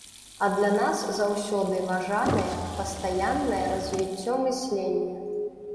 А для нас заўсёды важанае пастаяннае развіццё мыслення.